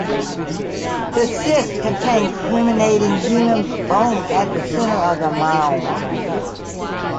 The cist contained cremated human bones at the center of the mound.